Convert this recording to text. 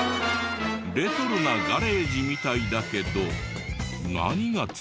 レトロなガレージみたいだけど何が釣れるの？